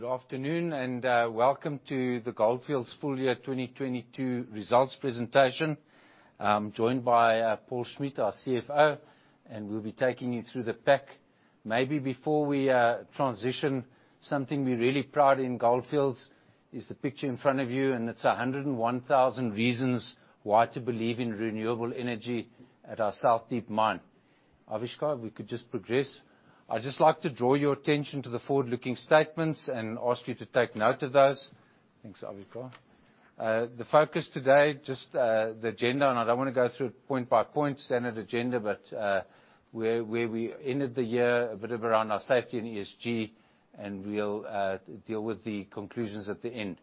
Good afternoon, and welcome to the Gold Fields full year 2022 results presentation. I'm joined by Paul Schmidt, our CFO, and we'll be taking you through the pack. Maybe before we transition, something we're really proud in Gold Fields is the picture in front of you, and it's 101,000 reasons why to believe in renewable energy at our South Deep mine. Avishkar, we could just progress. I'd just like to draw your attention to the forward-looking statements and ask you to take note of those. Thanks, Avishkar. The focus today, just the agenda, and I don't wanna go through it point by point, standard agenda, but where we ended the year, a bit around our safety and ESG, and we'll deal with the conclusions at the end.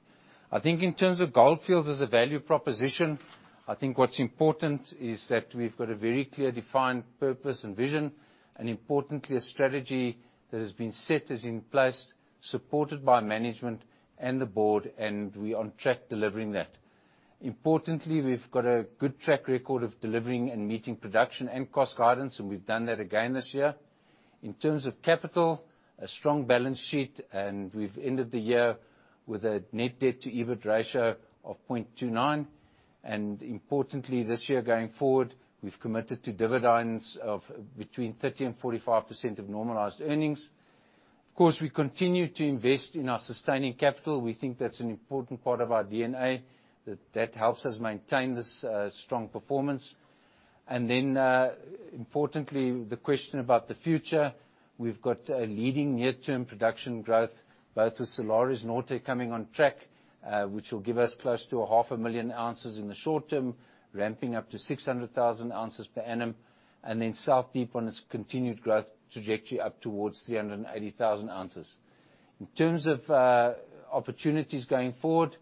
I think in terms of Gold Fields as a value proposition, I think what's important is that we've got a very clear, defined purpose and vision, and importantly, a strategy that has been set, is in place, supported by management and the board, and we're on track delivering that. Importantly, we've got a good track record of delivering and meeting production and cost guidance, and we've done that again this year. In terms of capital, a strong balance sheet, we've ended the year with a net debt to EBIT ratio of 0.29. Importantly, this year going forward, we've committed to dividends of between 30% and 45% of normalized earnings. Of course, we continue to invest in our sustaining capital. We think that's an important part of our DNA. That helps us maintain this strong performance. Importantly, the question about the future. We've got a leading near-term production growth, both with Salares Norte coming on track, which will give us close to a half a million ounces in the short term, ramping up to 600,000 ounces per annum, and then South Deep on its continued growth trajectory up towards 380,000 ounces. In terms of opportunities going forward,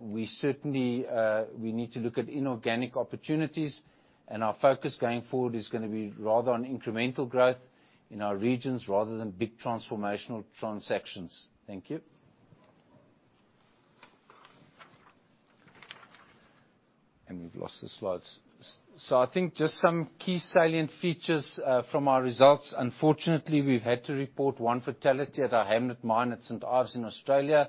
we certainly need to look at inorganic opportunities, and our focus going forward is gonna be rather on incremental growth in our regions rather than big transformational transactions. Thank you. We've lost the slides. I think just some key salient features from our results. Unfortunately, we've had to report one fatality at our Hamlet mine at St. Ives in Australia.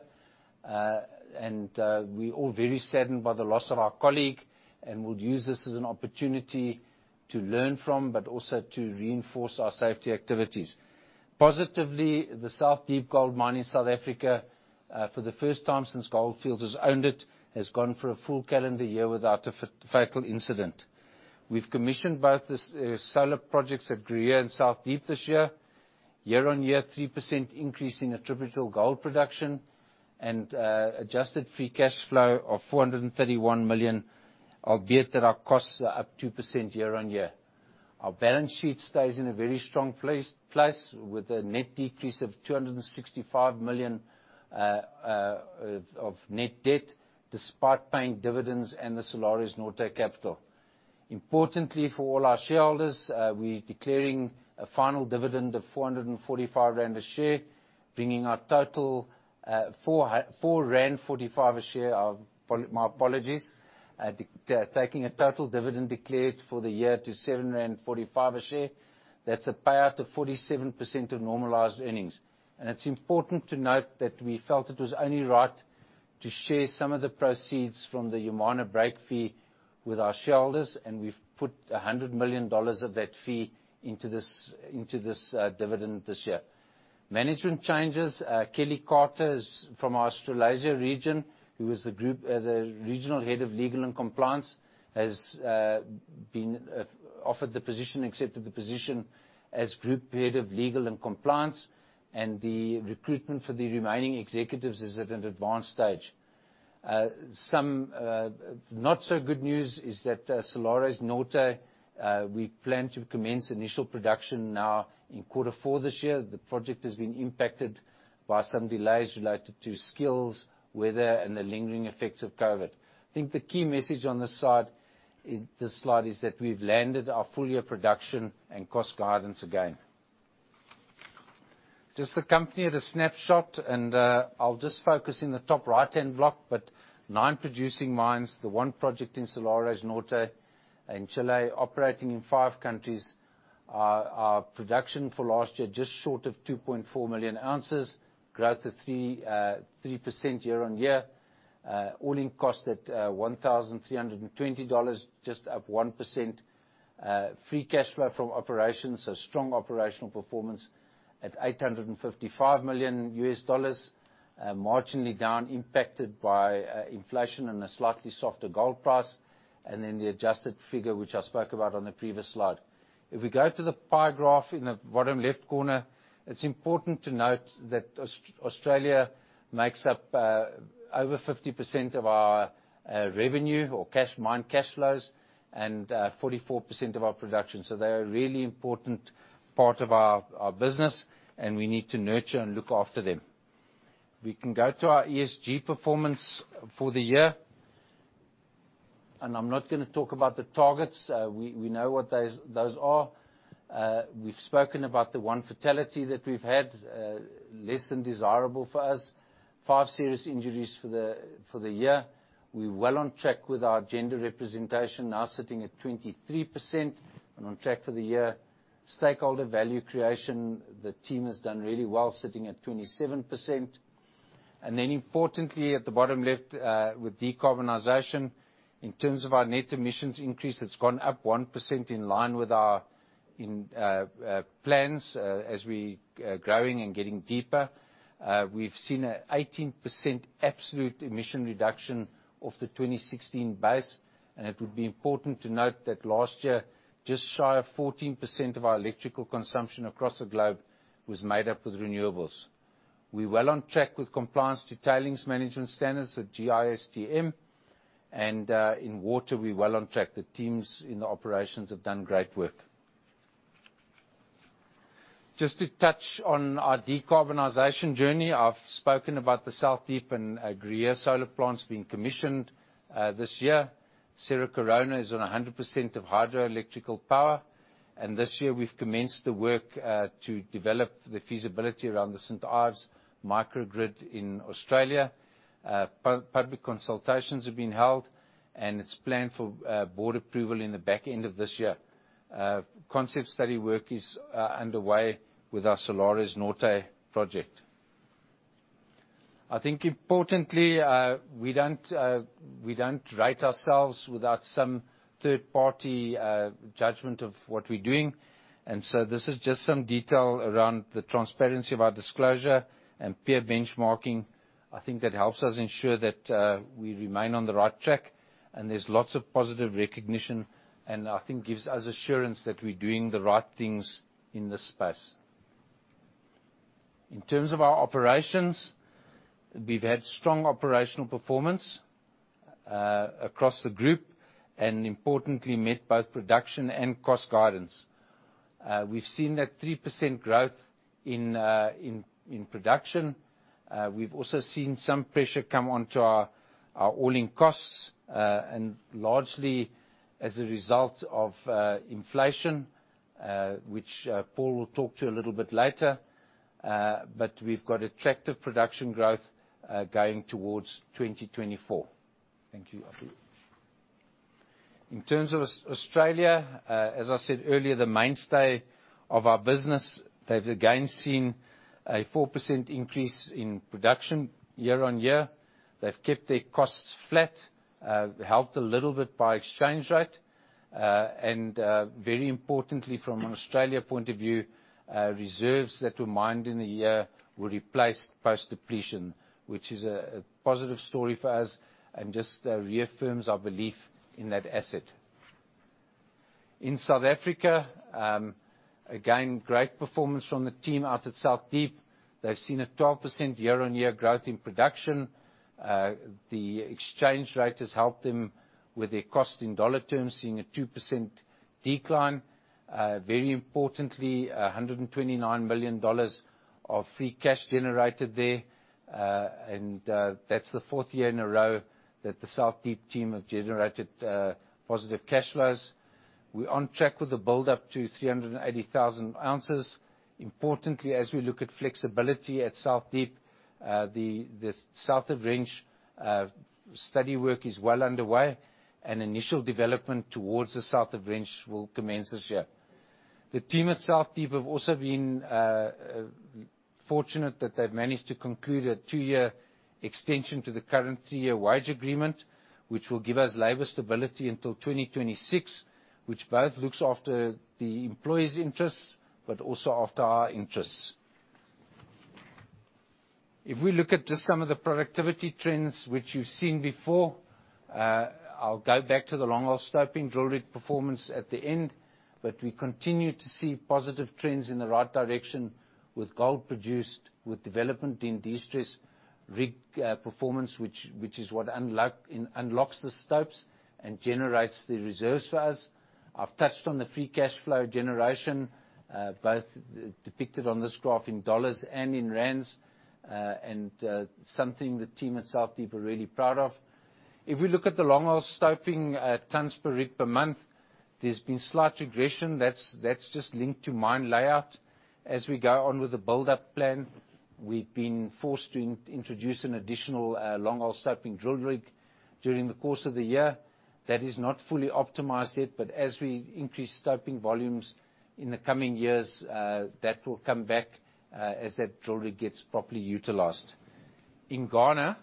We're all very saddened by the loss of our colleague and will use this as an opportunity to learn from, but also to reinforce our safety activities. Positively, the South Deep Gold Mine in South Africa, for the first time since Gold Fields has owned it, has gone for a full calendar year without a fatal incident. We've commissioned both the solar projects at Gruyere and South Deep this year. Year on year, 3% increase in attributable gold production and Adjusted Free Cash Flow of $431 million, albeit that our costs are up 2% year on year. Our balance sheet stays in a very strong place with a net decrease of $265 million of net debt, despite paying dividends and the Salares Norte capital. Importantly, for all our shareholders, we're declaring a final dividend of 445 rand a share, bringing our total, 4.45 rand a share. My apologies. Taking a total dividend declared for the year to 7.45 rand a share. That's a payout of 47% of normalized earnings. It's important to note that we felt it was only right to share some of the proceeds from the Yamana break fee with our shareholders, and we've put $100 million of that fee into this, into this, dividend this year. Management changes, Kelly Carter is from our Australasia region, who is the Group Head of Legal & Compliance, has been offered the position, accepted the position as Group Head of Legal & Compliance. The recruitment for the remaining executives is at an advanced stage. Some not so good news is that Salares Norte, we plan to commence initial production now in quarter four this year. The project has been impacted by some delays related to skills, weather, and the lingering effects of COVID. I think the key message on this side, this slide, is that we've landed our full year production and cost guidance again. Just the company at a snapshot. I'll just focus in the top right-hand block, but nine producing mines, the one project in Salares Norte in Chile, operating in five countries. Our production for last year, just short of 2.4 million ounces, growth of 3% year-over-year. All-in cost at $1,320, just up 1%. Free cash flow from operations, a strong operational performance at $855 million. Marginally down, impacted by inflation and a slightly softer gold price. The adjusted figure, which I spoke about on the previous slide. If we go to the pie graph in the bottom left corner, it's important to note that Australia makes up over 50% of our revenue or cash, mine cash flows and 44% of our production. They're a really important part of our business, and we need to nurture and look after them. We can go to our ESG performance for the year. I'm not gonna talk about the targets. We know what those are. We've spoken about the one fatality that we've had. Less than desirable for us. Five serious injuries for the year. We're well on track with our gender representation, now sitting at 23% and on track for the year. Stakeholder value creation, the team has done really well, sitting at 27%. Importantly, at the bottom left, with decarbonization, in terms of our net emissions increase, it's gone up 1% in line with our plans, as we growing and getting deeper. We've seen a 18% absolute emission reduction off the 2016 base. It would be important to note that last year, just shy of 14% of our electrical consumption across the globe was made up with renewables. We're well on track with compliance to tailings management standards at GISTM. In water, we're well on track. The teams in the operations have done great work. Just to touch on our decarbonization journey. I've spoken about the South Deep and Gruyere Solar plants being commissioned this year. Cerro Corona is on a 100% of hydroelectrical power. This year we've commenced the work to develop the feasibility around the St. Ives microgrid in Australia. Public consultations have been held. It's planned for board approval in the back end of this year. Concept study work is under way with our Salares Norte project. I think importantly, we don't, we don't rate ourselves without some third-party judgment of what we're doing. This is just some detail around the transparency of our disclosure and peer benchmarking. I think that helps us ensure that we remain on the right track. There's lots of positive recognition, and I think gives us assurance that we're doing the right things in this space. In terms of our operations, we've had strong operational performance across the group, and importantly, met both production and cost guidance. We've seen a 3% growth in production. We've also seen some pressure come onto our all-in costs, and largely as a result of inflation, which Paul will talk to you a little bit later. We've got attractive production growth going towards 2024. Thank you. I'll leave. In terms of Australia, as I said earlier, the mainstay of our business, they've again seen a 4% increase in production year-on-year. They've kept their costs flat, helped a little bit by exchange rate. Very importantly from an Australia point of view, reserves that were mined in the year will replace post-depletion, which is a positive story for us and just reaffirms our belief in that asset. In South Africa, again, great performance from the team out at South Deep. They've seen a 12% year-on-year growth in production. The exchange rate has helped them with their cost in dollar terms, seeing a 2% decline. Very importantly, $129 million of free cash generated there. That's the fourth year in a row that the South Deep team have generated positive cash flows. We're on track with the build up to 380,000 ounces. Importantly, as we look at flexibility at South Deep, the South of Range study work is well underway, and initial development towards the South of Range will commence this year. The team at South Deep have also been fortunate that they've managed to conclude a two-year extension to the current three-year wage agreement, which will give us labor stability until 2026, which both looks after the employees' interests, but also after our interests. If we look at just some of the productivity trends which you've seen before, I'll go back to the longhole stoping drill rig performance at the end. We continue to see positive trends in the right direction with gold produced with development in destress rig performance, which is what unlocks the stopes and generates the reserves for us. I've touched on the free cash flow generation, both depicted on this graph in dollars and in ZAR. Something the team at South Deep are really proud of. If we look at the longhole stoping tons per rig per month, there's been slight regression. That's just linked to mine layout. As we go on with the buildup plan, we've been forced to introduce an additional longhole stoping drill rig during the course of the year. That is not fully optimized yet, but as we increase stoping volumes in the coming years, that will come back as that drill rig gets properly utilized. In Ghana,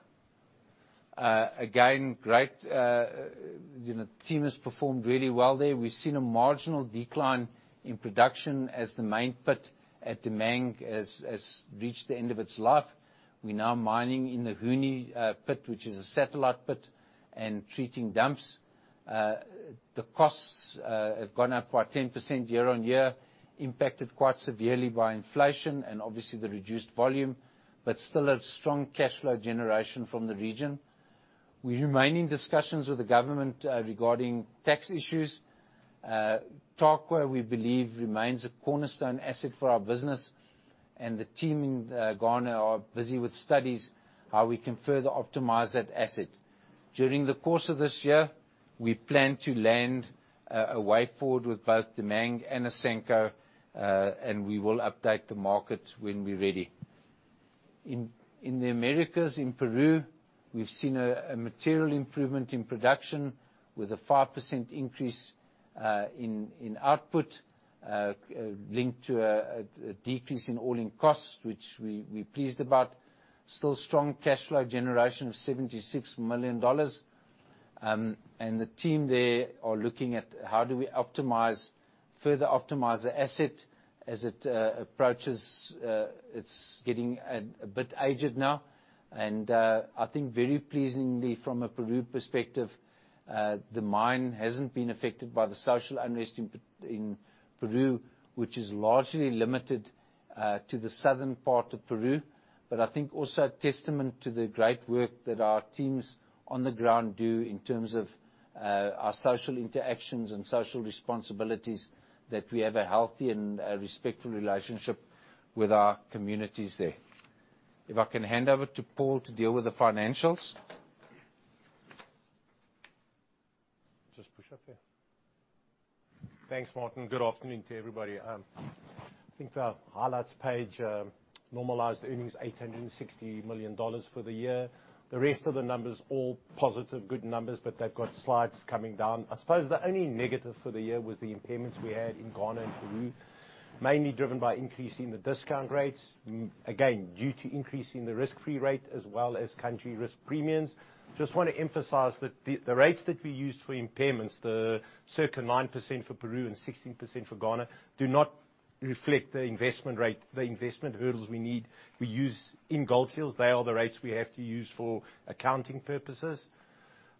again, great, you know, team has performed really well there. We've seen a marginal decline in production as the main pit at Damang has reached the end of its life. We're now mining in the Huni pit, which is a satellite pit, and treating dumps. The costs have gone up by 10% year-on-year, impacted quite severely by inflation and obviously the reduced volume, but still a strong cash flow generation from the region. We remain in discussions with the government regarding tax issues. Tarkwa, we believe, remains a cornerstone asset for our business, and the team in Ghana are busy with studies how we can further optimize that asset. During the course of this year, we plan to land a way forward with both Damang and Asanko, and we will update the market when we're ready. In the Americas, in Peru, we've seen a material improvement in production with a 5% increase in output. Linked to a decrease in all-in costs, which we pleased about. Still strong cash flow generation of $76 million, and the team there are looking at how do we further optimize the asset as it approaches, it's getting a bit aged now. I think very pleasingly from a Peru perspective, the mine hasn't been affected by the social unrest in Peru, which is largely limited to the Southern part of Peru. I think also a testament to the great work that our teams on the ground do in terms of our social interactions and social responsibilities that we have a healthy and a respectful relationship with our communities there. If I can hand over to Paul to deal with the financials. Just push up there. Thanks, Martin. Good afternoon to everybody. I think the highlights page, Normalized Earnings $860 million for the year. The rest of the numbers all positive, good numbers, but they've got slides coming down. I suppose the only negative for the year was the impairments we had in Ghana and Peru, mainly driven by increasing the discount rates, again, due to increase in the risk-free rate as well as country risk premiums. Just want to emphasize that the rates that we used for impairments, the circa 9% for Peru and 16% for Ghana, do not reflect the investment rate, the investment hurdles we need, we use in Gold Fields. They are the rates we have to use for accounting purposes.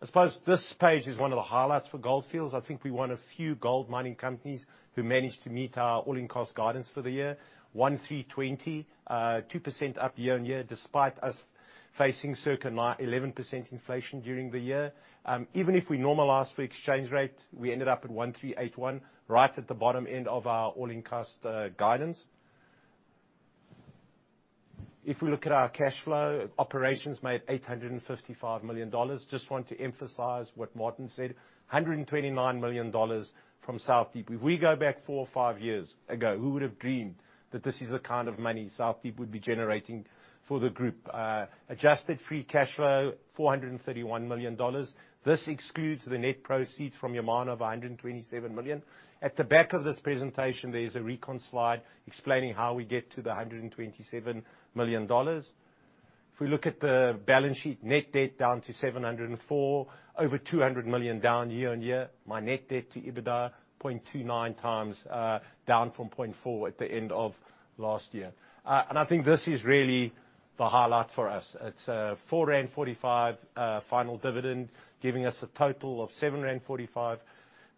I suppose this page is one of the highlights for Gold Fields. I think we're one of few gold mining companies who managed to meet our all-in cost guidance for the year, $1,320, 2% up year-on-year, despite us facing circa 11% inflation during the year. Even if we normalize for exchange rate, we ended up at 1,381, right at the bottom end of our all-in cost guidance. If we look at our cash flow, operations made $855 million. Just want to emphasize what Martin said, $129 million from South Deep. If we go back 4 or 5 years ago, who would have dreamed that this is the kind of money South Deep would be generating for the group. Adjusted Free Cash Flow, $431 million. This excludes the net proceeds from Yamana of $127 million. At the back of this presentation, there is a recon slide explaining how we get to the $127 million. We look at the balance sheet, net debt down to $704, over $200 million down year-on-year. My net debt to EBITDA, 0.29 times, down from 0.4 at the end of last year. I think this is really the highlight for us. It's 4.45 final dividend, giving us a total of 7.45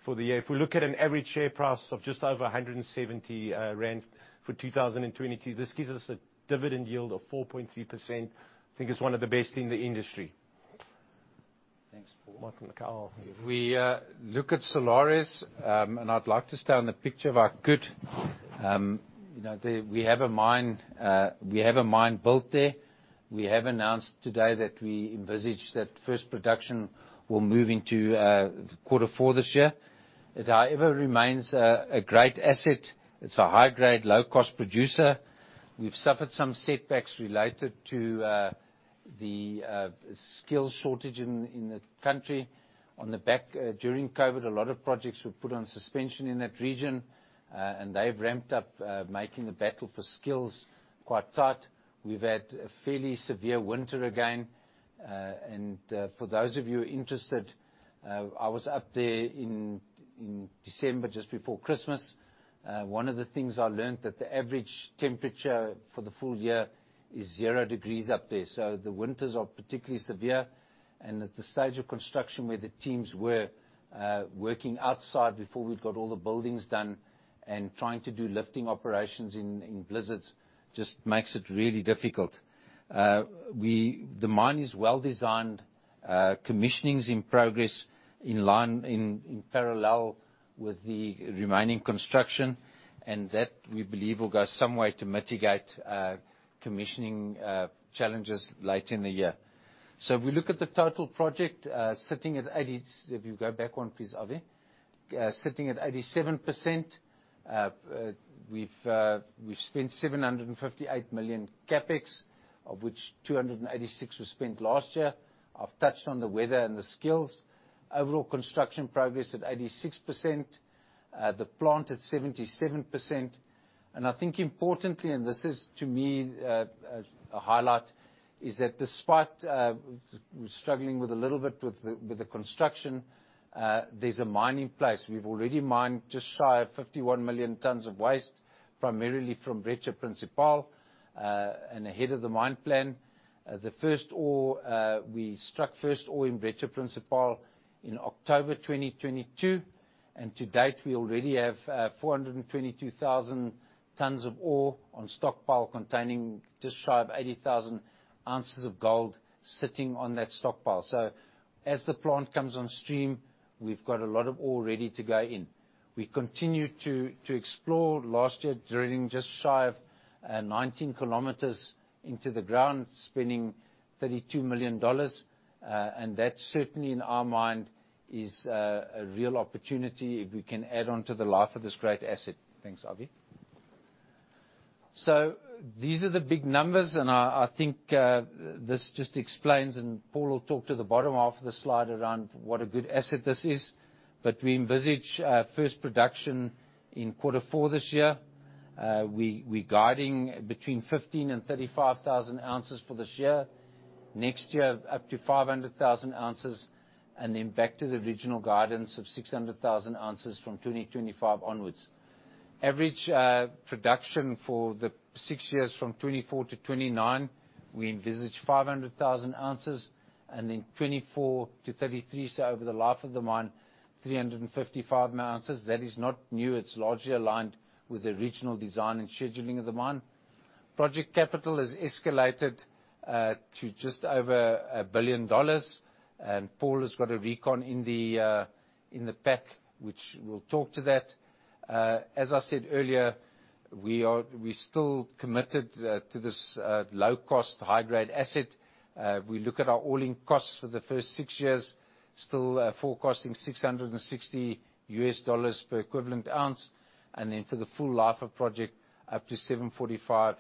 for the year. We look at an average share price of just over 170 rand for 2022, this gives us a dividend yield of 4.3%. I think it's one of the best in the industry. Thanks, Paul. Martin, Carl. We look at Salares Norte, I'd like to stay on the picture if I could. You know, we have a mine built there. We have announced today that we envisage that first production will move into quarter four this year. It however remains a great asset. It's a high grade, low cost producer. We've suffered some setbacks related to the skills shortage in the country. On the back, during COVID, a lot of projects were put on suspension in that region. They've ramped up making the battle for skills quite tight. We've had a fairly severe winter again. For those of you interested, I was up there in December just before Christmas. One of the things I learned that the average temperature for the full year is 0 degrees up there. The winters are particularly severe, and at the stage of construction where the teams were working outside before we'd got all the buildings done and trying to do lifting operations in blizzards just makes it really difficult. The mine is well designed. Commissioning's in progress in line, in parallel with the remaining construction, and that we believe will go some way to mitigate commissioning challenges later in the year. If we look at the total project. If you go back 1 please, Avi. Sitting at 87%. We've spent $758 million CapEx, of which $286 million was spent last year. I've touched on the weather and the skills. Overall construction progress at 86%. The plant at 77%. I think importantly, and this is to me, a highlight, is that despite struggling a little bit with the construction, there's a mine in place. We've already mined just shy of 51 million tons of waste, primarily from Brecha Principal, and ahead of the mine plan. The first ore, we struck first ore in Brecha Principal in October 2022, and to date, we already have 422,000 tons of ore on stockpile containing just shy of 80,000 ounces of gold sitting on that stockpile. As the plant comes on stream, we've got a lot of ore ready to go in. We continue to explore. Last year, drilling just shy of 19 kilometers into the ground, spending $32 million. That certainly in our mind is a real opportunity if we can add on to the life of this great asset. Thanks, Avi. These are the big numbers, and I think this just explains, and Paul will talk to the bottom half of the slide around what a good asset this is. We envisage first production in quarter four this year. We guiding between 15,000 and 35,000 ounces for this year. Next year, up to 500,000 ounces and then back to the original guidance of 600,000 ounces from 2025 onwards. Average production for the 6 years from 2024 to 2029, we envisage 500,000 ounces. Then 2024 to 2033, so over the life of the mine, 355 ounces. That is not new. It's largely aligned with the original design and scheduling of the mine. Project capital has escalated to just over $1 billion, and Paul has got a recon in the pack, which we'll talk to that. As I said earlier, we still committed to this low cost, high grade asset. We look at our all-in costs for the first 6 years, still forecasting $660 per equivalent ounce, and then for the full life of project, up to $745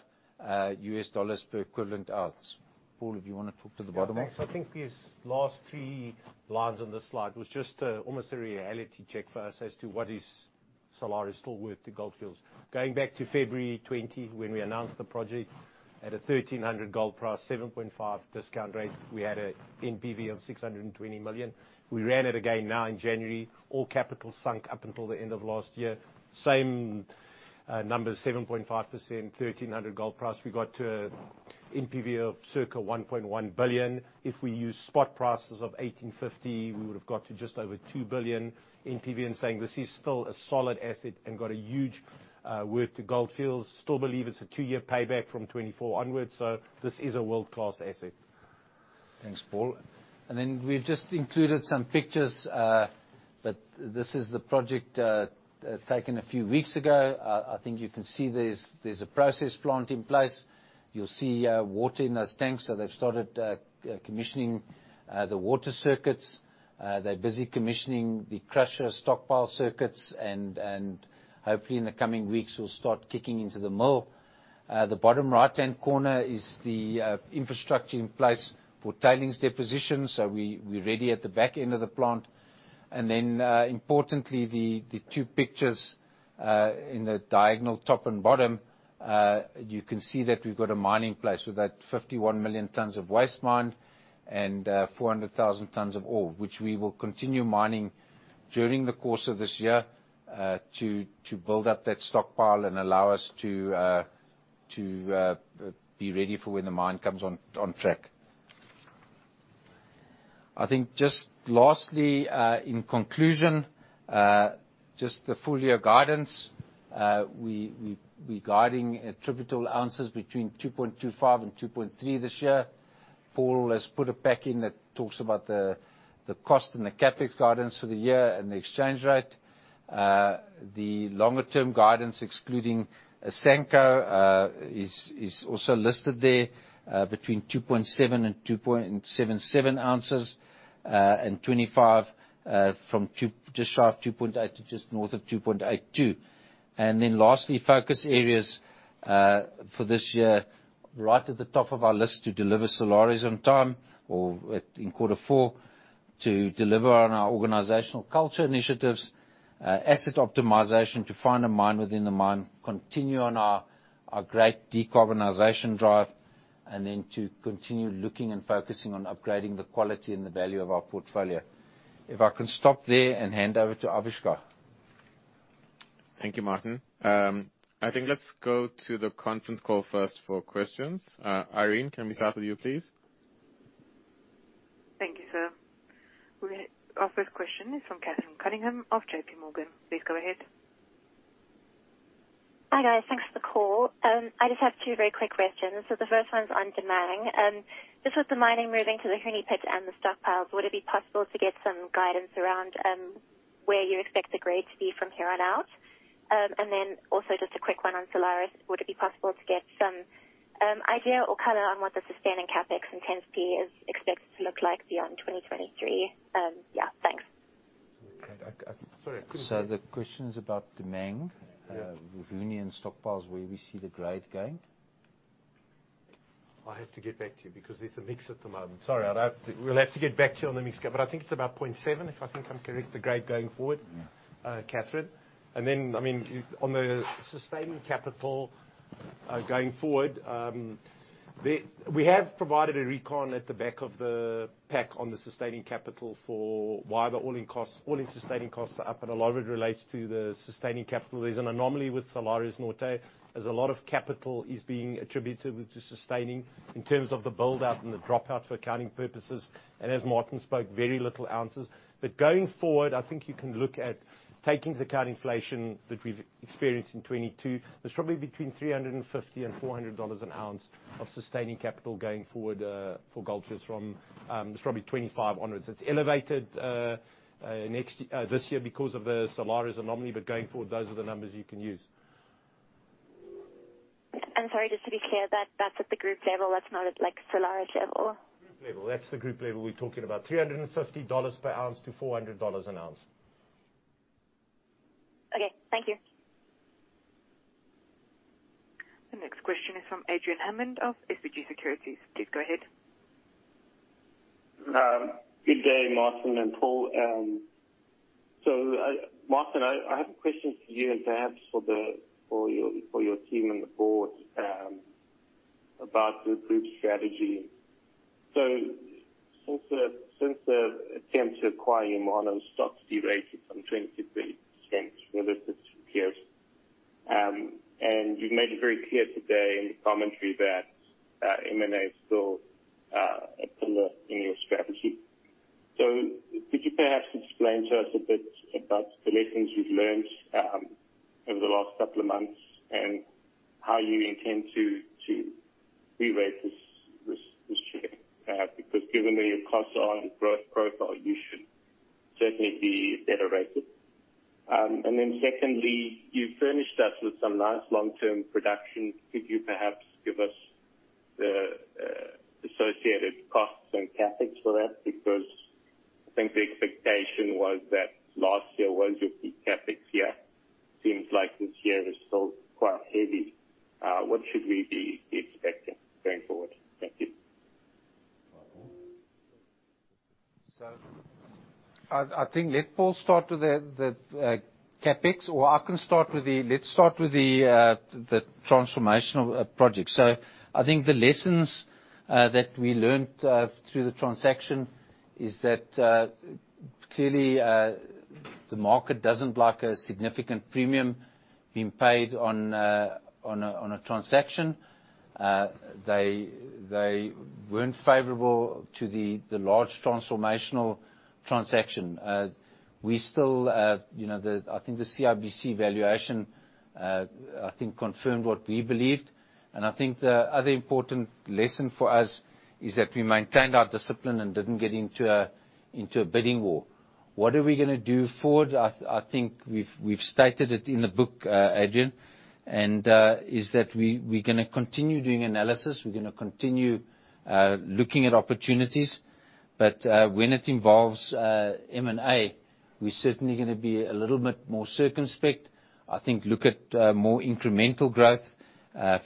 per equivalent ounce. Paul, if you wanna talk to the bottom half. Thanks. I think these last three lines on this slide was just almost a reality check for us as to what is Salares Norte still worth to Gold Fields. Going back to February 2020, when we announced the project at a $1,300 gold price, 7.5% discount rate, we had a NPV of $620 million. We ran it again now in January. All capital sunk up until the end of last year. Same numbers, 7.5%, $1,300 gold price. We got to NPV of circa $1.1 billion. If we use spot prices of $1,850, we would have got to just over $2 billion NPV. Saying this is still a solid asset and got a huge worth to Gold Fields. Still believe it's a 2-year payback from 2024 onwards. This is a world-class asset. Thanks, Paul. We've just included some pictures. This is the project, taken a few weeks ago. I think you can see there's a process plant in place. You'll see water in those tanks, they've started commissioning the water circuits. They're busy commissioning the crusher stockpile circuits and hopefully in the coming weeks we'll start kicking into the mill. The bottom right-hand corner is the infrastructure in place for tailings deposition. We're ready at the back end of the plant. Importantly, the two pictures in the diagonal top and bottom, you can see that we've got a mining place with that 51 million tons of waste mine and 400,000 tons of ore, which we will continue mining during the course of this year, to build up that stockpile and allow us to be ready for when the mine comes on track. I think just lastly, in conclusion, just the full year guidance, we guiding attributable ounces between 2.25 and 2.3 this year. Paul has put a pack in that talks about the cost and the CapEx guidance for the year and the exchange rate. The longer-term guidance, excluding Asanko, is also listed there, between 2.7 and 2.77 ounces, and 2025, from just shy of 2.8 to just north of 2.82. Lastly, focus areas for this year, right at the top of our list to deliver Salares Norte on time or in Q4. To deliver on our organizational culture initiatives, asset optimization, to find a mine within the mine, continue on our great decarbonization drive, and then to continue looking and focusing on upgrading the quality and the value of our portfolio. If I can stop there and hand over to Avishkar. Thank you, Martin. I think let's go to the conference call first for questions. Irene, can we start with you, please? Thank you, sir. Our first question is from Catherine Cunningham of J.P. Morgan. Please go ahead. Hi, guys. Thanks for the call. I just have two very quick questions. The first one's on Damang. Just with the mining moving to the Looney Pit and the stockpiles, would it be possible to get some guidance around where you expect the grade to be from here on out? Also just a quick one on Salares Norte. Would it be possible to get some idea or color on what the sustaining CapEx intensity is expected to look like beyond 2023? Yeah. Thanks. Okay. Sorry, I couldn't hear. The question's about Damang. Yeah. With Looney Pit and stockpiles, where we see the grade going. I have to get back to you because there's a mix at the moment. Sorry, we'll have to get back to you on the mix, but I think it's about 0.7, if I think I'm correct, the grade going forward. Yeah. Catherine. I mean, on the sustaining capital, going forward, we have provided a recon at the back of the pack on the sustaining capital for why the all-in costs, all-in sustaining costs are up, and a lot of it relates to the sustaining capital. There's an anomaly with Salares Norte, as a lot of capital is being attributed to sustaining in terms of the build-out and the drop-out for accounting purposes. As Martin spoke, very little ounces. Going forward, I think you can look at taking into account inflation that we've experienced in 2022. There's probably between $350-$400 an ounce of sustaining capital going forward for Gold Fields from, it's probably 2025 onwards. It's elevated, this year because of the Salares Norte anomaly. Going forward, those are the numbers you can use. I'm sorry, just to be clear, that's at the group level. That's not at, like, Salares level. Group level. That's the group level we're talking about. $350 per ounce to $400 an ounce. Okay, thank you. The next question is from Adrian Hammond of SBG Securities. Please go ahead. Good day, Martin and Paul. Martin, I have a question for you and perhaps for your team and the board about the group strategy. Since the attempt to acquire Yamana, stock's derated from 20%-30% relative to peers. You've made it very clear today in the commentary that M&A is still a pillar in your strategy. Could you perhaps explain to us a bit about the lessons you've learned over the last couple of months and how you intend to rerate this share? Because given your cost on growth profile, you should certainly be better rated. Secondly, you furnished us with some nice long-term production. Could you perhaps give us the associated costs and CapEx for that? I think the expectation was that last year was your peak CapEx year. Seems like this year is still quite heavy. What should we be expecting going forward? Thank you. I think let Paul start with the CapEx, or I can start with the. Let's start with the transformational project. I think the lessons that we learned through the transaction is that clearly the market doesn't like a significant premium being paid on a transaction. They weren't favorable to the large transformational transaction. We still, you know, I think the CIBC valuation I think confirmed what we believed. I think the other important lesson for us is that we maintained our discipline and didn't get into a bidding war. What are we gonna do forward? I think we've stated it in the book, Adrian, is that we're gonna continue doing analysis. We're gonna continue looking at opportunities. When it involves M&A, we're certainly gonna be a little bit more circumspect. I think look at more incremental growth,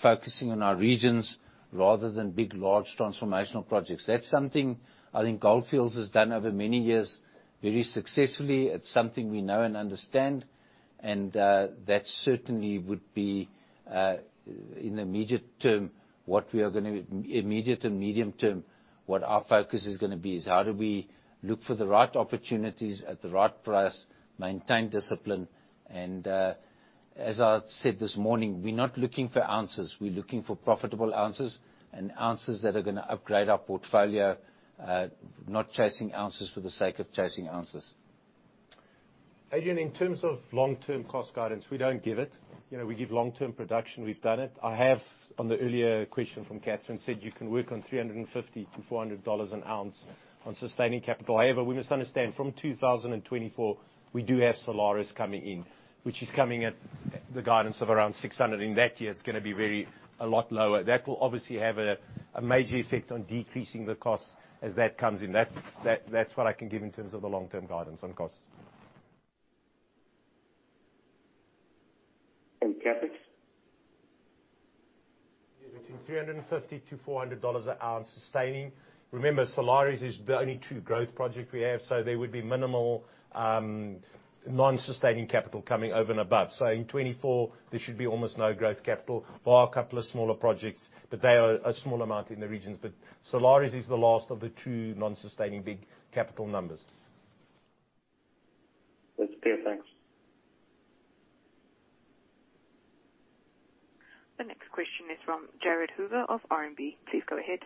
focusing on our regions rather than big, large transformational projects. That's something I think Gold Fields has done over many years very successfully. It's something we know and understand, that certainly would be in the immediate term, what we are gonna be immediate and medium term, what our focus is gonna be, is how do we look for the right opportunities at the right price, maintain discipline. As I said this morning, we're not looking for ounces. We're looking for profitable ounces, and ounces that are gonna upgrade our portfolio. Not chasing ounces for the sake of chasing ounces. Adrian, in terms of long-term cost guidance, we don't give it. You know, we give long-term production. We've done it. I have, on the earlier question from Catherine, said you can work on $350-$400 an ounce on sustaining capital. However, we must understand, from 2024, we do have Salares Norte coming in, which is coming at the guidance of around $600. In that year, it's gonna be very a lot lower. That will obviously have a major effect on decreasing the cost as that comes in. That's what I can give in terms of the long-term guidance on costs. CapEx? Between $350-$400 an ounce sustaining. Remember, Salares Norte is the only true growth project we have, so there would be minimal non-sustaining capital coming over and above. In 2024 there should be almost no growth capital, bar a couple of smaller projects. They are a small amount in the regions. Salares Norte is the last of the true non-sustaining big capital numbers. That's clear. Thanks. The next question is from Jared Hoover of RMB. Please go ahead.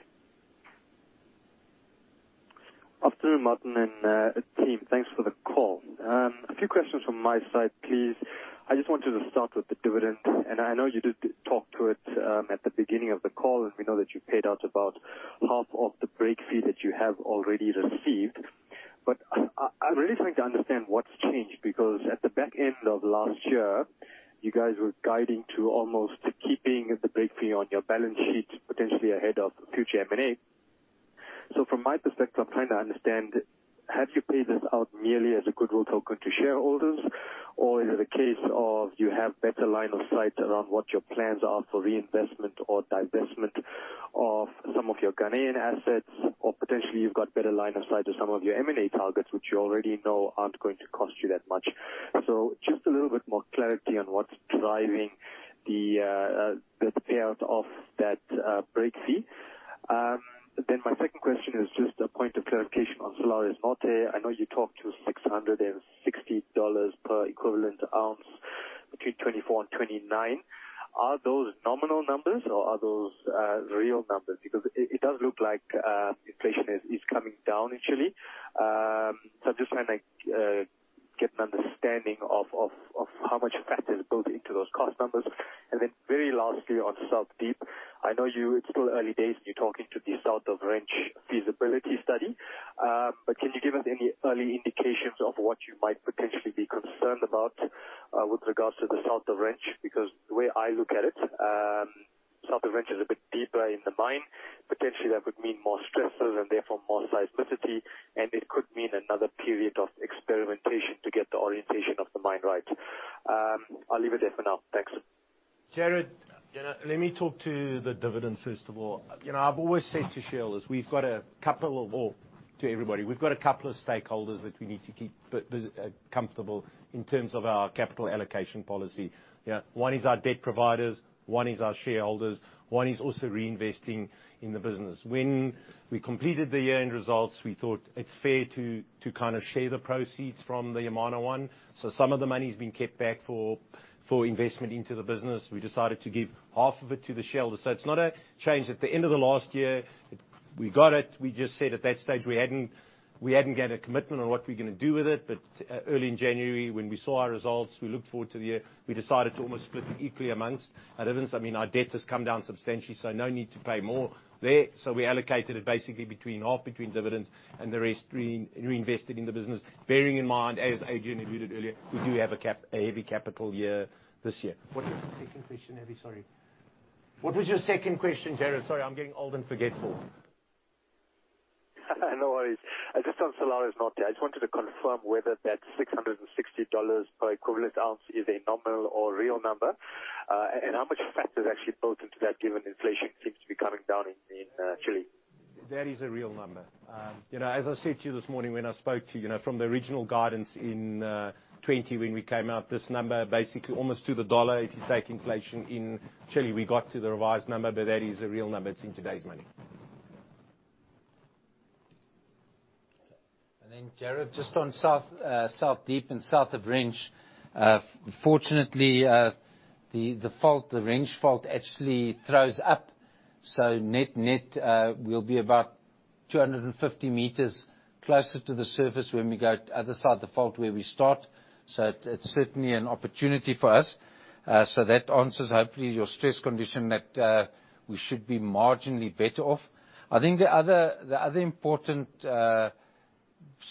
Afternoon, Martin and team. Thanks for the call. A few questions from my side, please. I just wanted to start with the dividend, and I know you did talk to it at the beginning of the call. We know that you paid out about half of the break fee that you have already received. I'd really like to understand what's changed, because at the back end of last year, you guys were guiding to almost keeping the break fee on your balance sheet potentially ahead of future M&A. From my perspective, I'm trying to understand, have you paid this out merely as a goodwill token to shareholders? Or is it a case of you have better line of sight around what your plans are for reinvestment or divestment of some of your Ghanaian assets? Potentially you've got better line of sight to some of your M&A targets, which you already know aren't going to cost you that much. Just a little bit more clarity on what's driving the payout of that break fee. My second question is just a point of clarification on Salares Norte. I know you talked to $660 per equivalent ounce between 2024 and 2029. Are those nominal numbers or are those real numbers? It does look like inflation is coming down in Chile. I'm just trying to get an understanding of how much fat is built into those cost numbers. Very lastly, on South Deep, I know it's still early days and you're talking to the South of Range feasibility study. Can you give us any early indications of what you might potentially be concerned about with regards to the South of Wrench, because the way I look at it, South of Wrench is a bit deeper in the mine. Potentially, that would mean more stresses and therefore more seismicity, and it could mean another period of experimentation to get the orientation of the mine right. I'll leave it there for now. Thanks. Jared, you know, let me talk to the dividend first of all. You know, I've always said to shareholders, we've got a couple of stakeholders that we need to keep us comfortable in terms of our capital allocation policy. One is our debt providers, one is our shareholders, one is also reinvesting in the business. When we completed the year-end results, we thought it's fair to kind of share the proceeds from the Yamana one. Some of the money's been kept back for investment into the business. We decided to give half of it to the shareholders. It's not a change. At the end of the last year, we got it. We just said at that stage we hadn't got a commitment on what we're gonna do with it. Early in January, when we saw our results, we looked forward to the year. We decided to almost split it equally amongst our dividends. I mean, our debt has come down substantially, so no need to pay more there. We allocated it basically between half between dividends and the rest reinvested in the business. Bearing in mind, as Adrian alluded earlier, we do have a heavy capital year this year. What was the second question, Avishkar? Sorry. What was your second question, Jared? Sorry, I'm getting old and forgetful. No worries. Just on Salares Norte there. I just wanted to confirm whether that $660 per equivalent ounce is a nominal or real number, and how much fat is actually built into that, given inflation seems to be coming down in Chile. That is a real number. you know, as I said to you this morning when I spoke to you know, from the original guidance in 2020 when we came out, this number basically almost to the dollar, if you take inflation in Chile, we got to the revised number. That is a real number. It's in today's money. Jared, just on South Deep and South of Wrench. Fortunately, the fault, the Wrench Fault actually throws up. Net-net, we'll be about 250 meters closer to the surface when we go other side of the fault where we start. It's certainly an opportunity for us. So that answers hopefully your stress condition that we should be marginally better off. I think the other important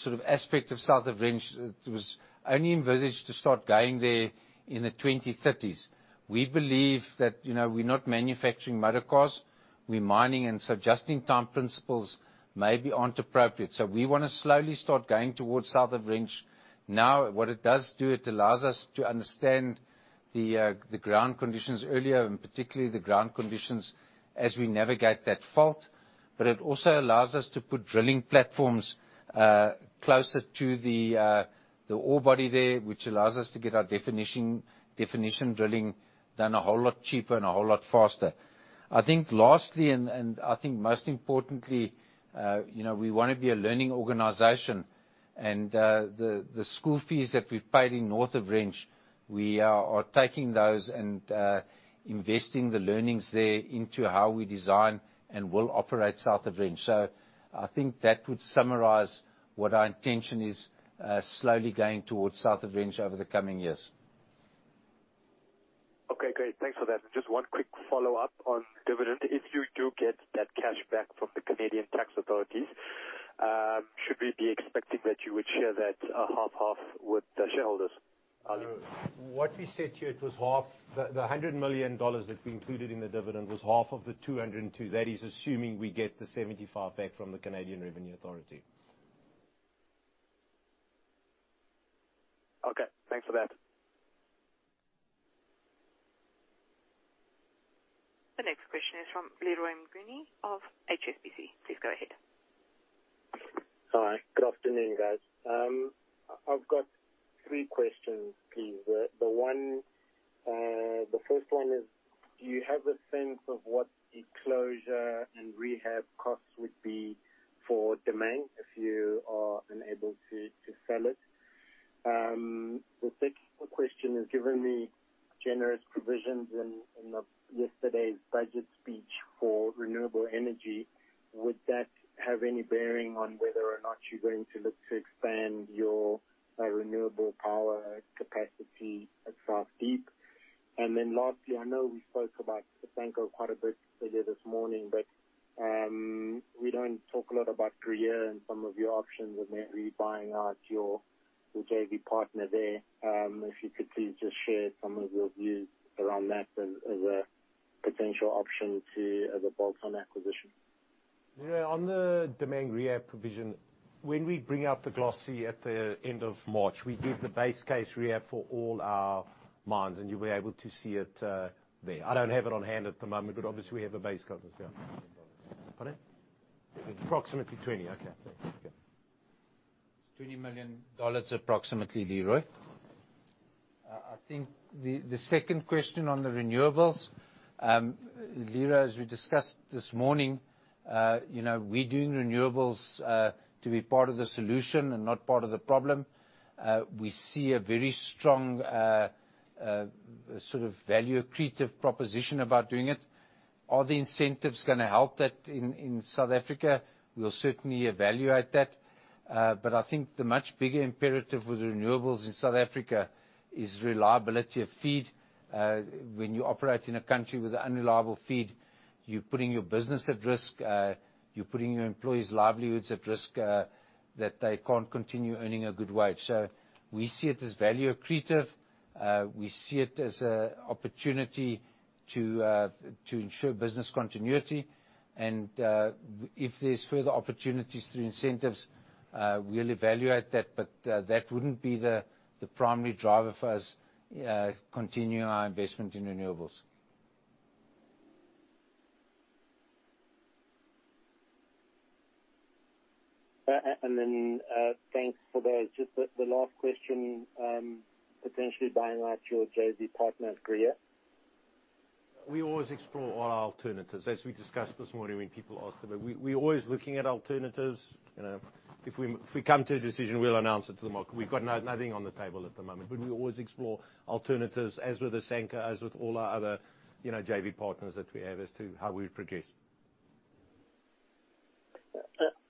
sort of aspect of South of Wrench, it was only envisaged to start going there in the 2030s. We believe that, you know, we're not manufacturing motor cars, we're mining, and so adjusting time principles maybe aren't appropriate. We wanna slowly start going towards South of Wrench. Now, what it does do, it allows us to understand the ground conditions earlier and particularly the ground conditions as we navigate that fault. It also allows us to put drilling platforms closer to the ore body there, which allows us to get our definition drilling done a whole lot cheaper and a whole lot faster. I think lastly, and I think most importantly, you know, we wanna be a learning organization. The school fees that we paid in North of Wrench, we are taking those and investing the learnings there into how we design and will operate South of Wrench. I think that would summarize what our intention is, slowly going towards South of Wrench over the coming years. Okay, great. Thanks for that. Just one quick follow-up on dividend. If you do get that cash back from the Canadian tax authorities, should we be expecting that you would share that, half half with the shareholders? What we said to you, it was half. The $100 million that we included in the dividend was half of the $202. That is assuming we get the $75 back from the Canada Revenue Agency. Okay, thanks for that. The next question is from Leroy Mnguni of HSBC. Please go ahead. All right. Good afternoon, guys. I've got three questions, please. The first one is, do you have a sense of what the closure and rehab costs would be for Damang if you are unable to sell it? The second question is, given the generous provisions in yesterday's budget speech for renewable energy, would that have any bearing on whether or not you're going to look to expand your renewable power capacity at South Deep? Lastly, I know we spoke about Asanko quite a bit earlier this morning, but we don't talk a lot about Cerro Corona and some of your options and maybe buying out your JV partner there. If you could please just share some of your views around that as a potential option to the Boltons acquisition. Leroy, on the Damang rehab provision, when we bring out the glossy at the end of March, we give the base case rehab for all our mines, and you'll be able to see it there. I don't have it on hand at the moment, but obviously we have a base. Pardon? Approximately 20. Okay, thanks. Okay. It's $20 million, approximately, Leroy. I think the second question on the renewables, Leroy, as we discussed this morning, you know, we're doing renewables to be part of the solution and not part of the problem. We see a very strong sort of value accretive proposition about doing it. Are the incentives gonna help that in South Africa? We'll certainly evaluate that. I think the much bigger imperative with renewables in South Africa is reliability of feed. When you operate in a country with an unreliable feed, you're putting your business at risk, you're putting your employees' livelihoods at risk, that they can't continue earning a good wage. We see it as value accretive. We see it as a opportunity to ensure business continuity. If there's further opportunities through incentives, we'll evaluate that, but that wouldn't be the primary driver for us, continuing our investment in renewables. Thanks for those. Just the last question, potentially buying out your JV partner at Gruyere? We always explore our alternatives. As we discussed this morning, when people asked about it, we always looking at alternatives. You know, if we, if we come to a decision, we'll announce it to the market. We've got nothing on the table at the moment, but we always explore alternatives, as with Asanko, as with all our other, you know, JV partners that we have as to how we would progress.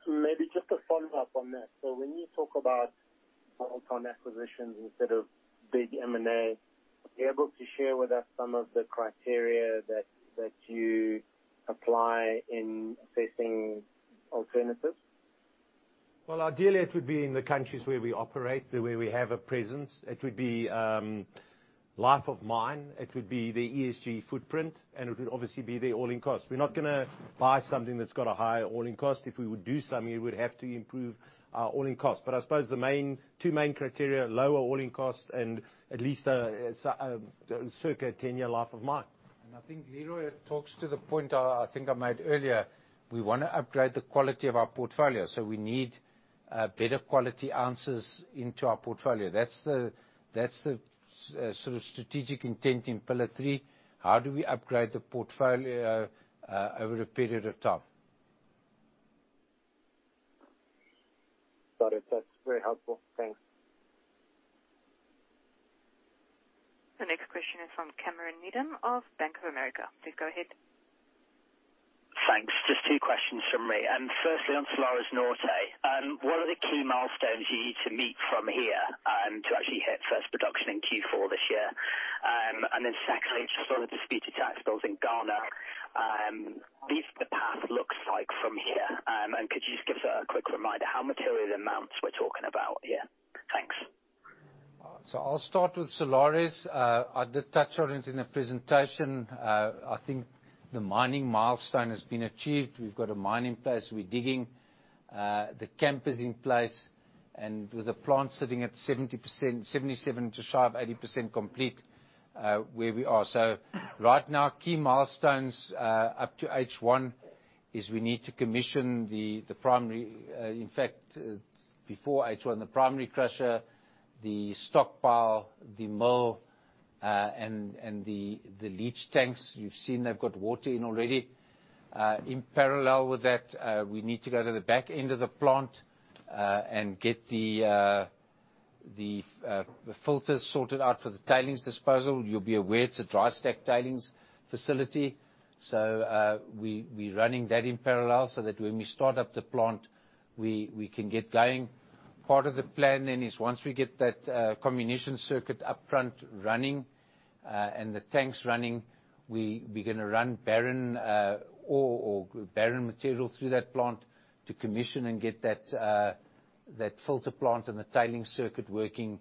Maybe just a follow-up on that. When you talk about bolt-on acquisitions instead of big M&A, are you able to share with us some of the criteria that you apply in assessing alternatives? Ideally it would be in the countries where we operate, where we have a presence. It would be life of mine. It would be the ESG footprint, and it would obviously be the all-in cost. We're not gonna buy something that's got a high all-in cost. If we would do something, it would have to improve our all-in cost. I suppose the main, two main criteria, lower all-in cost and at least a circa 10-year life of mine. I think, Leroy, it talks to the point I think I made earlier. We wanna upgrade the quality of our portfolio, so we need better quality answers into our portfolio. That's the sort of strategic intent in pillar 3. How do we upgrade the portfolio over a period of time? Got it. That's very helpful. Thanks. The next question is from Cameron Needham of Bank of America. Please go ahead. Thanks. Just 2 questions from me. Firstly, on Salares Norte, what are the key milestones you need to meet from here to actually hit first production in Q4 this year? Secondly, just on the disputed tax bills in Ghana, what does the path looks like from here? Could you just give us a quick reminder how material amounts we're talking about here? Thanks. I'll start with Salares Norte. I did touch on it in the presentation. I think the mining milestone has been achieved. We've got a mine in place, we're digging. The camp is in place, and with the plant sitting at 70%, 77% to sharp 80% complete, where we are. Right now, key milestones up to H1 is we need to commission the primary. In fact, before H1, the primary crusher, the stockpile, the mill, and the leach tanks. You've seen they've got water in already. In parallel with that, we need to go to the back end of the plant and get the filters sorted out for the tailings disposal. You'll be aware it's a dry stack tailings facility. We're running that in parallel so that when we start up the plant, we can get going. Part of the plan then is once we get that comminution circuit up front running and the tanks running, we're going to run barren ore or barren material through that plant to commission and get that filter plant and the tailing circuit working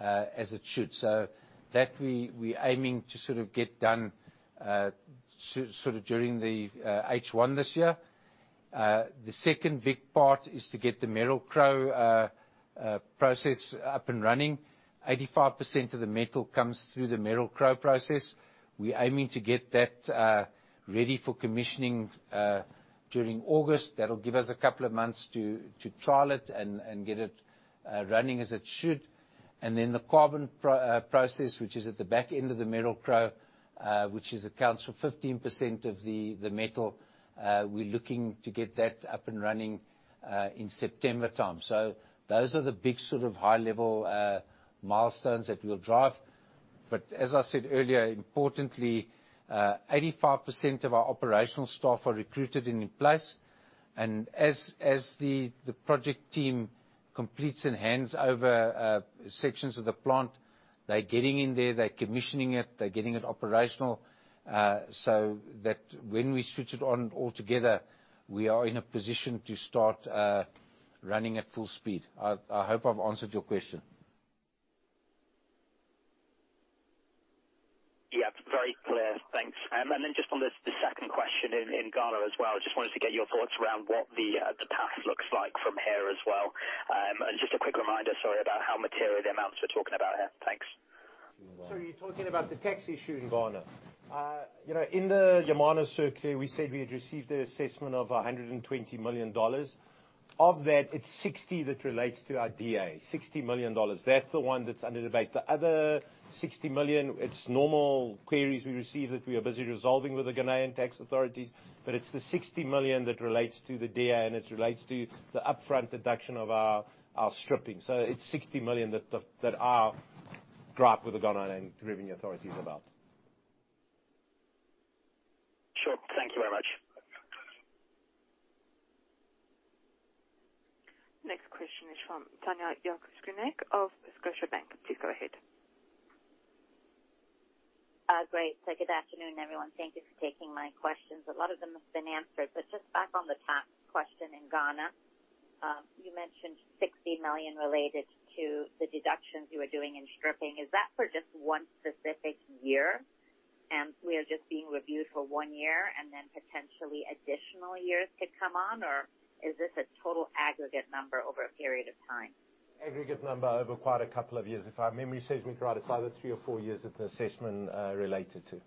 as it should. That we're aiming to sort of get done sort of during the H1 this year. The second big part is to get the Merrill-Crowe process up and running. 85% of the metal comes through the Merrill-Crowe process. We're aiming to get that ready for commissioning during August. That'll give us a couple of months to trial it and get it running as it should. The carbon pro process, which is at the back end of the Merrill-Crowe, which is accounts for 15% of the metal, we're looking to get that up and running in September time. Those are the big sort of high-level milestones that we'll drive. As I said earlier, importantly, 85% of our operational staff are recruited and in place. As the project team completes and hands over sections of the plant, they're getting in there, they're commissioning it, they're getting it operational, so that when we switch it on altogether, we are in a position to start running at full speed. I hope I've answered your question. Yeah, very clear. Thanks. Just on this, the second question in Ghana as well, I just wanted to get your thoughts around what the path looks like from here as well. Just a quick reminder, sorry, about how material the amounts we're talking about here. Thanks. You're talking about the tax issue in Ghana. you know, in the Yamana circular, we said we had received a assessment of $120 million. Of that, it's $60 that relates to our DA, $60 million. That's the one that's under debate. The other $60 million, it's normal queries we receive that we are busy resolving with the Ghanaian tax authorities. It's the $60 million that relates to the DA, and it relates to the upfront deduction of our stripping. It's $60 million that are gripe with the Ghanaian Revenue Authorities about. Sure. Thank you very much. Next question is from Tanya Jankowski of Scotiabank. Please go ahead. Great. Good afternoon, everyone. Thank you for taking my questions. A lot of them have been answered, but just back on the tax question in Ghana, you mentioned $60 million related to the deductions you were doing in stripping. Is that for just one specific year, and we are just being reviewed for one year and then potentially additional years to come on? Is this a total aggregate number over a period of time? Aggregate number over quite a couple of years. If our memory serves me right, it's either three or four years that the assessment related to.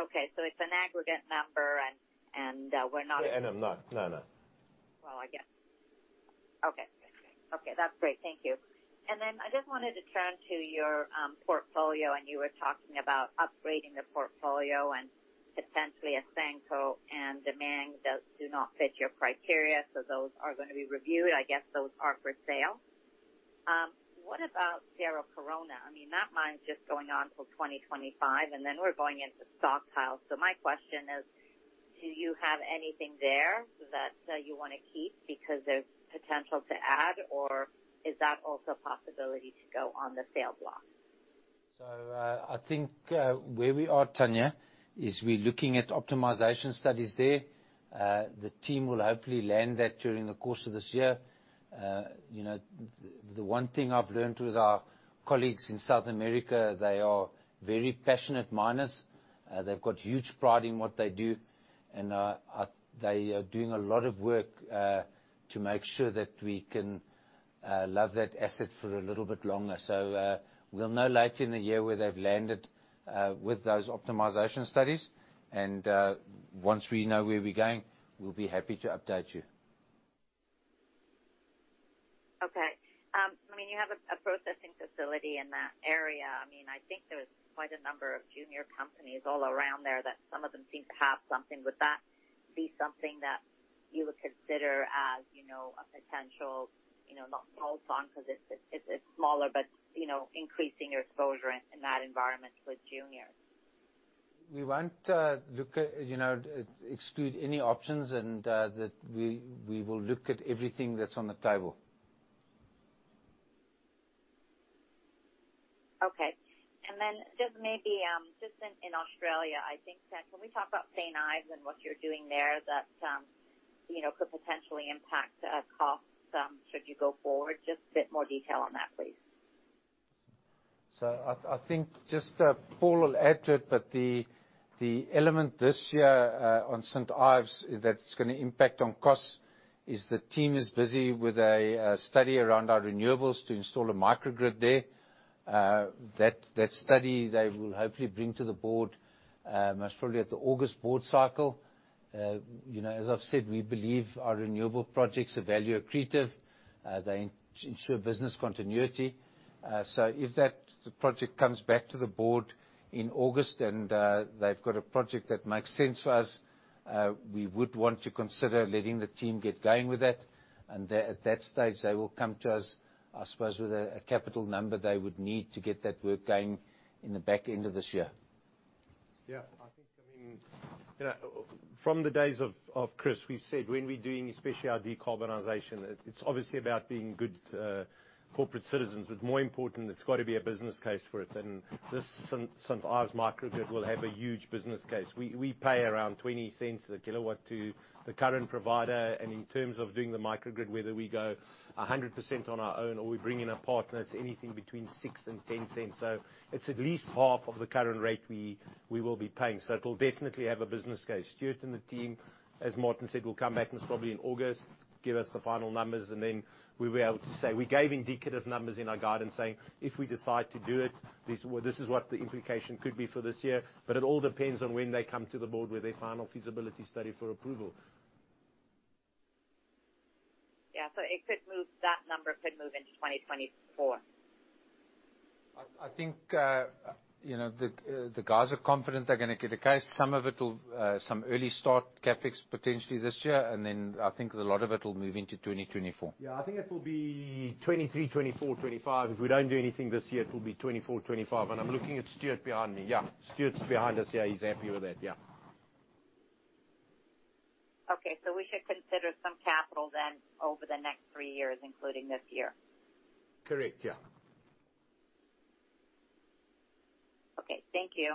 Okay. it's an aggregate number and. Yeah, I'm not. No, no. Well, I guess. Okay. Okay, that's great. Thank you. I just wanted to turn to your portfolio, and you were talking about upgrading the portfolio and potentially Asanko and Damang do not fit your criteria, so those are gonna be reviewed. I guess those are for sale. What about Cerro Corona? I mean, that mine's just going on till 2025, and then we're going into stockpile. My question is, do you have anything there that you wanna keep because there's potential to add, or is that also a possibility to go on the sale block? I think, where we are, Tanya, is we're looking at optimization studies there. The team will hopefully land that during the course of this year. You know, the one thing I've learned with our colleagues in South America, they are very passionate miners. They've got huge pride in what they do, and they are doing a lot of work to make sure that we can love that asset for a little bit longer. We'll know later in the year where they've landed with those optimization studies. Once we know where we're going, we'll be happy to update you. Okay. I mean, you have a processing facility in that area. I mean, I think there's quite a number of junior companies all around there that some of them seem to have something. Would that be something that you would consider as, you know, a potential, you know, not bolt-on because it's smaller but, you know, increasing your exposure in that environment with juniors? We won't, look at, you know, exclude any options and, that we will look at everything that's on the table. Okay. Just maybe, just in Australia, I think that when we talk about St Ives and what you're doing there that, you know, could potentially impact, costs, should you go forward. Just a bit more detail on that, please. I think just Paul will add to it, but the element this year on St. Ives that's gonna impact on costs is the team is busy with a study around our renewables to install a microgrid there. That study they will hopefully bring to the board most probably at the August board cycle. You know, as I've said, we believe our renewable projects are value accretive. They ensure business continuity. If that project comes back to the board in August and they've got a project that makes sense for us, we would want to consider letting the team get going with that. At that stage, they will come to us, I suppose, with a capital number they would need to get that work going in the back end of this year. Yeah. I think, I mean, you know, from the days of Chris, we've said when we're doing especially our decarbonization, it's obviously about being good corporate citizens. More important, it's got to be a business case for it. This St Ives microgrid will have a huge business case. We pay around $0.20 a kilowatt to the current provider. In terms of doing the microgrid, whether we go 100% on our own or we bring in a partner, it's anything between $0.06 and $0.10. It's at least half of the current rate we will be paying. It'll definitely have a business case. Stuart and the team, as Martin said, will come back most probably in August, give us the final numbers, we'll be able to say. We gave indicative numbers in our guidance saying, "If we decide to do it, this is what the implication could be for this year." It all depends on when they come to the board with their final feasibility study for approval. Yeah. It could move, that number could move into 2024. I think, you know, the guys are confident they're gonna get a case. Some of it will, some early start CapEx potentially this year, and then I think a lot of it will move into 2024. Yeah. I think it'll be 2023, 2024, 2025. If we don't do anything this year, it will be 2024, 2025. I'm looking at Stuart behind me. Yeah, Stuart's behind us. Yeah, he's happy with that. Yeah. Okay. We should consider some capital then over the next three years, including this year. Correct. Yeah. Okay. Thank you.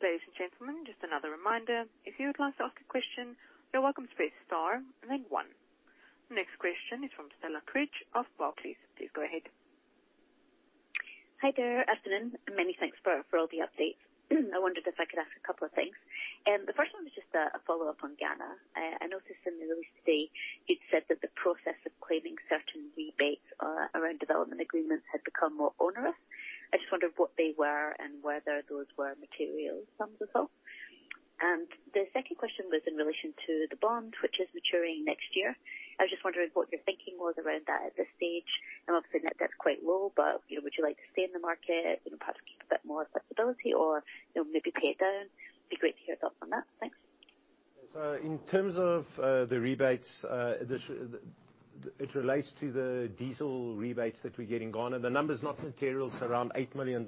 Ladies and gentlemen, just another reminder. If you would like to ask a question, you're welcome to press star and then one. Next question is from Stella Cridge of Barclays. Please go ahead. Hi there. Afternoon, many thanks for all the updates. I wondered if I could ask a couple of things. The first one was just a follow-up on Ghana. I noticed in the release today you'd said that the process of claiming certain rebates around development agreements had become more onerous. I just wondered what they were and whether those were material sums as well. The second question was in relation to the bond, which is maturing next year. I was just wondering what your thinking was around that at this stage. Obviously, net debt's quite low, but, you know, would you like to stay in the market, you know, perhaps keep a bit more flexibility or, you know, maybe pay it down? It'd be great to hear your thoughts on that. Thanks. In terms of the rebates, it relates to the diesel rebates that we get in Ghana. The number's not material. It's around $8 million,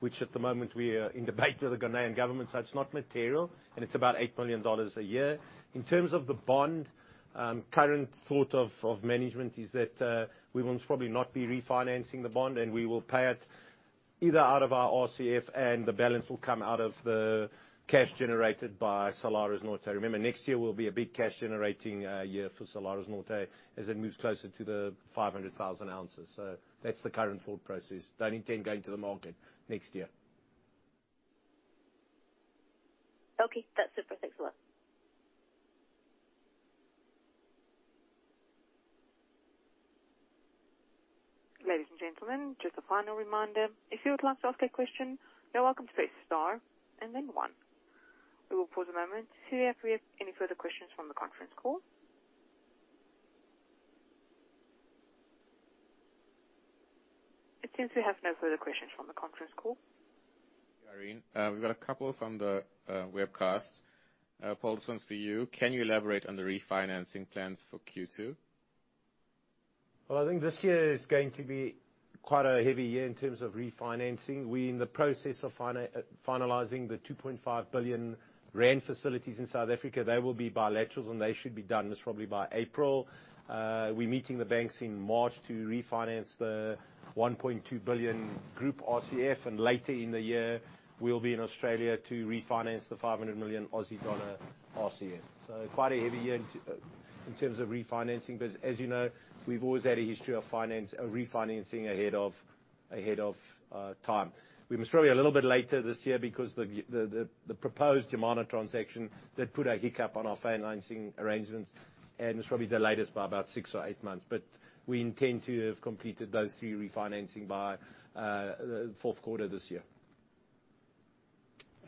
which at the moment we are in debate with the Ghanaian government, so it's not material, and it's about $8 million a year. In terms of the bond, current thought of management is that we will probably not be refinancing the bond, and we will pay it either out of our RCF and the balance will come out of the cash generated by Salares Norte. Next year will be a big cash generating year for Salares Norte as it moves closer to the 500,000 ounces. That's the current thought process. Don't intend going to the market next year. Okay. That's it for six months. Ladies and gentlemen, just a final reminder, if you would like to ask a question, you're welcome to press star and then one. We will pause a moment to see if we have any further questions from the conference call. It seems we have no further questions from the conference call. Irene, we got a couple from the webcast. Paul, this one's for you. Can you elaborate on the refinancing plans for Q2? Well, I think this year is going to be quite a heavy year in terms of refinancing. We're in the process of finalizing the 2.5 billion rand facilities in South Africa. They will be bilaterals, and they should be done this probably by April. We're meeting the banks in March to refinance the $1.2 billion group RCF. Later in the year, we'll be in Australia to refinance the 500 million Aussie dollar RCF. Quite a heavy year in terms of refinancing. As you know, we've always had a history of refinancing ahead of time. We're probably a little bit later this year because the proposed Yamana transaction that put a hiccup on our financing arrangements, and it's probably delayed us by about six or eight months. We intend to have completed those 3 refinancing by fourth quarter this year.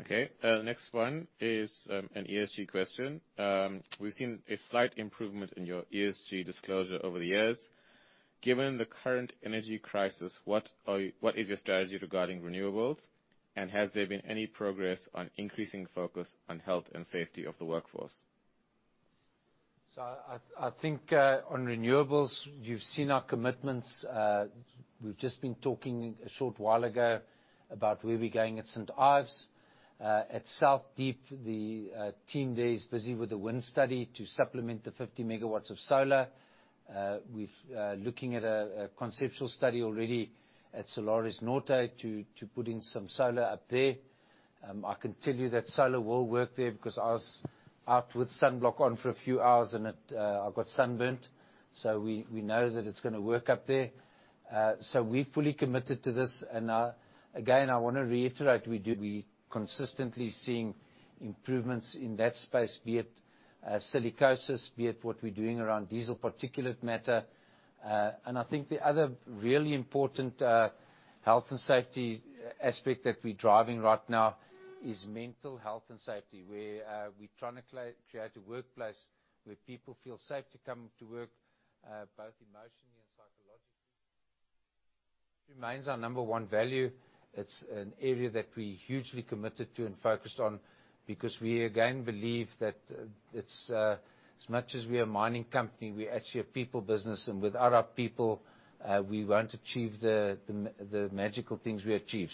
Okay. Next one is an ESG question. We've seen a slight improvement in your ESG disclosure over the years. Given the current energy crisis, what is your strategy regarding renewables, and has there been any progress on increasing focus on health and safety of the workforce? I think, on renewables, you've seen our commitments. We've just been talking a short while ago about where we're going at St Ives. At South Deep, the team there is busy with the wind study to supplement the 50 megawatts of solar. Looking at a conceptual study already at Salares Norte to put in some solar up there. I can tell you that solar will work there because I was out with sunblock on for a few hours and it, I got sunburnt. We know that it's gonna work up there. We're fully committed to this. Again, I wanna reiterate, we consistently seeing improvements in that space, be it silicosis, be it what we're doing around diesel particulate matter. I think the other really important health and safety aspect that we're driving right now is mental health and safety, where we're trying to create a workplace where people feel safe to come to work, both emotionally and psychologically. Remains our number one value. It's an area that we're hugely committed to and focused on because we again believe that it's as much as we're a mining company, we're actually a people business, and without our people, we won't achieve the magical things we achieve.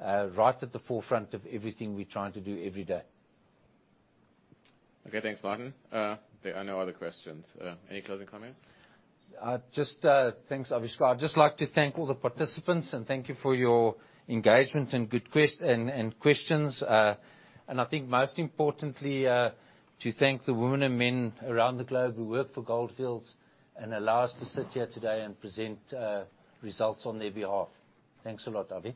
Right at the forefront of everything we're trying to do every day. Okay. Thanks, Martin. There are no other questions. Any closing comments? Just, thanks, Avishkar. I'd just like to thank all the participants and thank you for your engagement and good questions. I think most importantly, to thank the women and men around the globe who work for Gold Fields and allow us to sit here today and present results on their behalf. Thanks a lot, Avi.